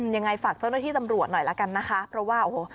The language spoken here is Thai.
ยังไงฝากเจ้าหน้าที่ตำรวจหน่อยละกันนะคะเพราะว่าโอ้โห